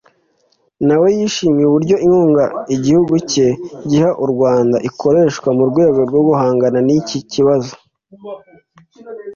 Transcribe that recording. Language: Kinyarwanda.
na we yishimiye uburyo inkunga igihugu cye giha u Rwanda ikoreshwa mu rwego rwo guhangana n’iki kibazo